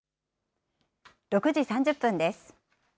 ６時３０分です。